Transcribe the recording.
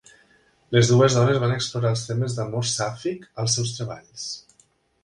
Les dues dones van explorar els temes d'amor sàfic als seus treballs.